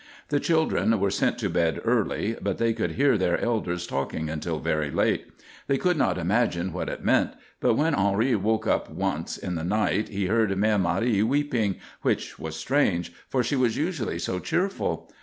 The children were sent to bed early but they could hear their elders talking until very late. They could not imagine what it meant, but when Henri woke up once in the night he heard Mère Marie weeping, which was strange, for she was usually so cheerful.